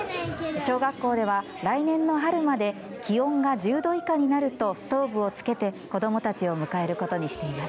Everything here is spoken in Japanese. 小学校では来年の春まで気温が１０度以下になるとストーブをつけて子どもたちを迎えることにしています。